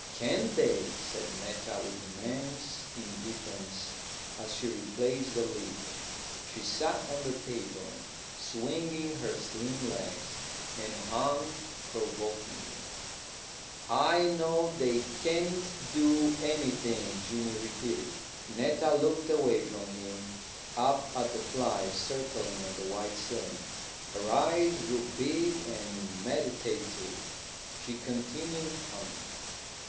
"Can't they?" said Netta with immense indifference, as she replaced the lid. She sat on the table, swinging her slim legs, and hummed provokingly. "I know they can't do anything," Jimmy repeated. Netta looked away from him, up at the flies circling on the white ceiling. Her eyes grew big and meditative. She continued humming.